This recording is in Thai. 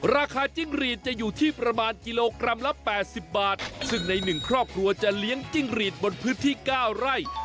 จิ้งหรีดจะอยู่ที่ประมาณกิโลกรัมละ๘๐บาทซึ่งในหนึ่งครอบครัวจะเลี้ยงจิ้งหรีดบนพื้นที่๙ไร่